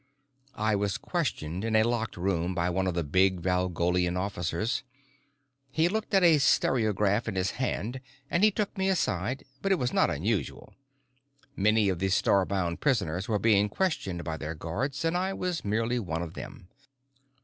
I was questioned in a locked room by one of the big Valgolian officers. He looked at a stereograph in his hand and he took me aside, but it was not unusual. Many of the starbound prisoners were being questioned by their guards, and I was merely one of them.